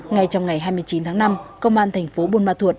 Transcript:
ngay trong ngày hai mươi chín tháng năm công an thành phố buôn ma thuột